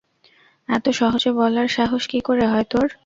এত সহজে বলার সাহস কী করে হয় তোর?